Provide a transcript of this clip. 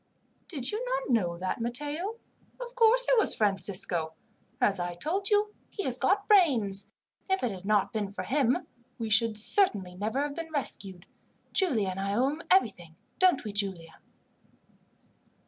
"Did you not know that, Matteo? Of course it was Francisco! As I told you, he has got brains; and if it had not been for him, we should certainly never have been rescued. Giulia and I owe him everything don't we, Giulia?"